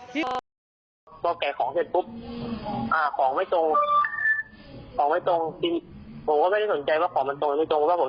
พอแกะของเสร็จปุ๊บของไม่ตรง